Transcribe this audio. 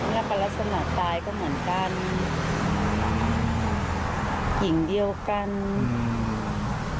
แล้วก็ลักษณะตายก็เหมือนกันหญิงเดียวกันอืม